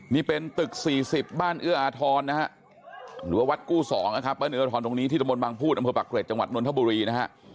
นี่ตอนแรกนี่ตอนแรกเห็นไหม